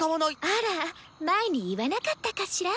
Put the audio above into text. あら前に言わなかったかしら？